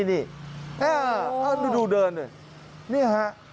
นี่ดูเดินหน่อย